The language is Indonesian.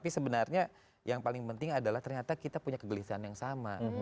tapi sebenarnya yang paling penting adalah ternyata kita punya kegelisahan yang sama